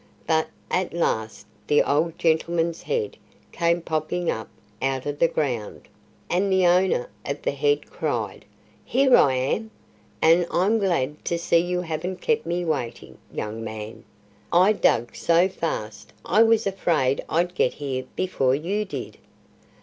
But at last the old gentleman's head came popping up out of the ground, and the owner of the head cried, "Here I am! And I'm glad to see you haven't kept me waiting, young man. I dug so fast I was afraid I'd get here before you did."